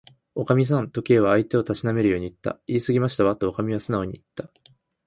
「おかみさん」と、Ｋ は相手をたしなめるようにいった。「いいすぎましたわ」と、おかみはすなおにいった。